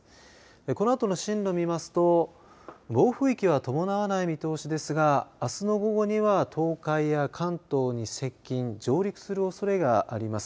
このあとの進路見ますと暴風域は伴わない見通しですがあすの午後には東海や関東に接近、上陸するおそれがあります。